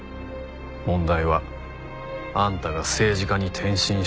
問題はあんたが政治家に転身したあとだ。